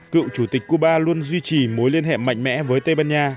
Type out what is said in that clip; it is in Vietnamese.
cựu chủ tịch cuba luôn duy trì mối liên hệ mạnh mẽ với tây ban nha